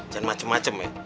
jangan macem macem ya